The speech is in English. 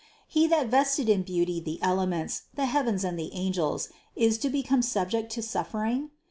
He that vested in beauty the elements, the heavens and the angels, is to become subject to suffering?